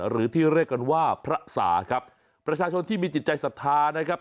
หรือที่เรียกกันว่าพระสาครับประชาชนที่มีจิตใจสัทธานะครับ